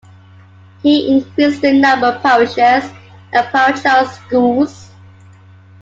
He increased the number parishes and parochial schools.